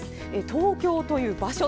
東京という場所